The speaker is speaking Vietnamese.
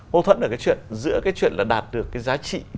mâu thuẫn là cái chuyện giữa cái chuyện là đạt được cái giá trị